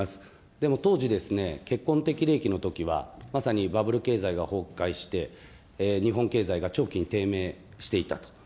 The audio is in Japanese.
でも当時、結婚適齢期のときはまさにバブル経済が崩壊して、日本経済が長期に低迷していたと。